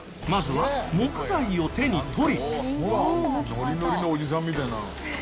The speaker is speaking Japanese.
「ノリノリのおじさんみたいな」